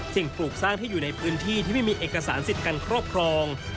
ปลูกสร้างที่อยู่ในพื้นที่ที่ไม่มีเอกสารสิทธิ์การครอบครอง